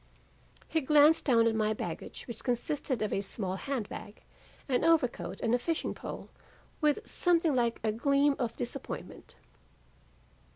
"He glanced down at my baggage which consisted of a small hand bag, an over coat and a fishing pole, with something like a gleam of disappointment.